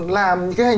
làm những cái